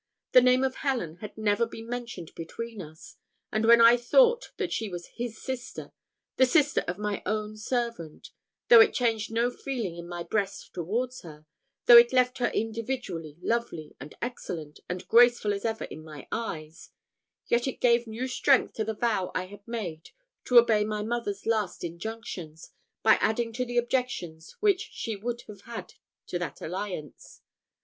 The name of Helen had never been mentioned between us; and when I thought that she was his sister the sister of my own servant, though it changed no feeling in my breast towards her though it left her individually lovely, and excellent, and graceful as ever in my eyes, yet it gave new strength to the vow I had made to obey my mother's last injunctions, by adding another to the objections which she would have had to that alliance.